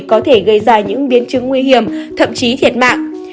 có thể gây ra những biến chứng nguy hiểm thậm chí thiệt mạng